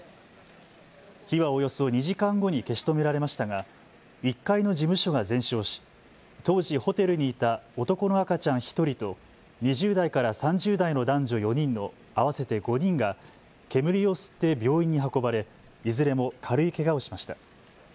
火はおよそ２時間後に消し止められましたが１階の事務所が全焼し当時、ホテルにいた男の赤ちゃん１人と２０代から３０代の男女４人の合わせて５人が煙を吸って病院に運ばれいずれも軽いけがをしました。